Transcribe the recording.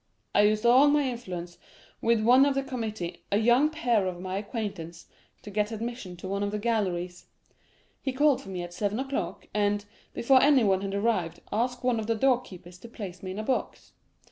I used all my influence with one of the committee, a young peer of my acquaintance, to get admission to one of the galleries. He called for me at seven o'clock, and, before anyone had arrived, asked one of the door keepers to place me in a box.